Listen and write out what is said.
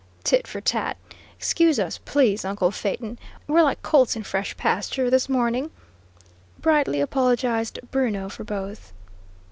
"Tit for tat. Excuse us, please, uncle Phaeton. We're like colts in fresh pasture, this morning," brightly apologised Bruno, for both.